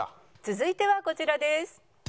続いてはこちらです。